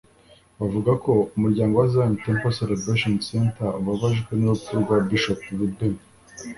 buvuga ko ‘‘Umuryango wa Zion Temple Celebration Center ubabajwe n’urupfu rwa Bishop Ruben